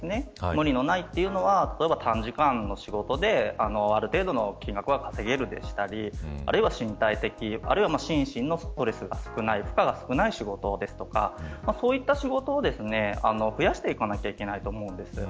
無理のないというのは例えば、短時間の仕事である程度の金額が稼げるでしたりあるいは身体的あるいは心身のストレスが少ない負荷が少ない仕事ですとかそういった仕事を増やしていかなければいけないと思うんです。